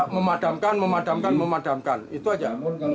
memadamkan memadamkan memadamkan itu aja